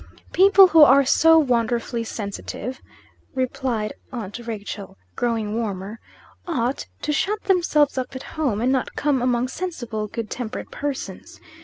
"People who are so wonderfully sensitive," replied aunt Rachel, growing warmer, "ought to shut themselves up at home, and not come among sensible, good tempered persons.